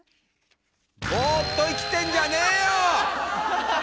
「ボーっと生きてんじゃねーよ！」。